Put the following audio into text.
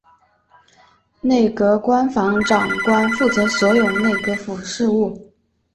内阁官房长官负责所有内阁府事务。